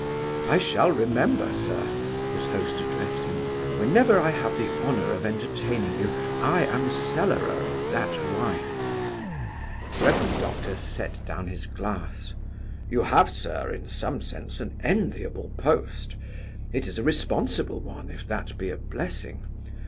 "I shall remember, sir," his host addressed him, "whenever I have the honour of entertaining you, I am cellarer of that wine." The Rev. Doctor set down his glass. "You have, sir, in some sense, an enviable post. It is a responsible one, if that be a blessing.